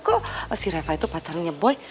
kok si reva itu pacarnya boy